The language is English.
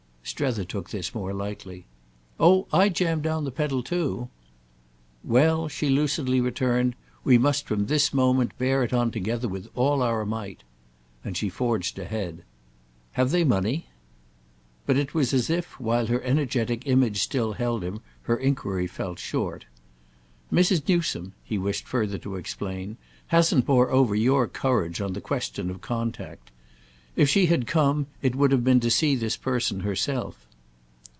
Strether took this more lightly. "Oh I jam down the pedal too!" "Well," she lucidly returned, "we must from this moment bear on it together with all our might." And she forged ahead. "Have they money?" But it was as if, while her energetic image still held him, her enquiry fell short. "Mrs. Newsome," he wished further to explain, "hasn't moreover your courage on the question of contact. If she had come it would have been to see the person herself."